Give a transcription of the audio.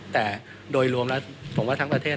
แต่โดยรวมแล้วผมว่าทั้งประเทศ